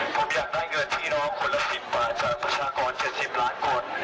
ผมอยากได้เงินพี่น้องคนละ๑๐บาทจากประชากร๗๐ล้านคน